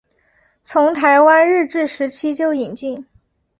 从台湾日治时期就引进。